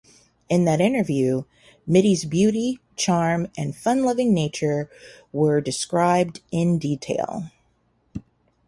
In that interview, Mittie's beauty, charm, and fun-loving nature were described in detail.